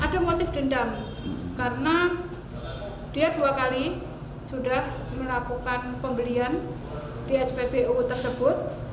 ada motif dendam karena dia dua kali sudah melakukan pembelian di spbu tersebut